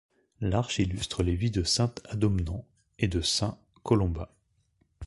L’arche illustre les vies de saint Adomnan et de saint Colomba.